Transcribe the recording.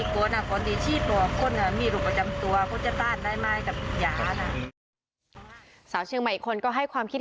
คุกคนที่ฉีดเขาคุกเสี้ยงชีวิต